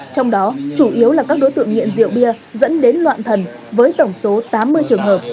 trong đó chủ yếu là các đối tượng nghiện rượu bia dẫn đến loạn thần với tổng số tám mươi trường hợp